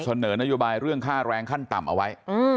เสนอนโยบายเรื่องค่าแรงขั้นต่ำเอาไว้